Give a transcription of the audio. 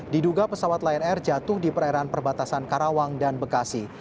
diduga pesawat lion air jatuh di perairan perbatasan karawang dan bekasi